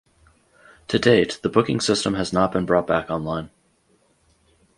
To date the booking system has not been brought back online.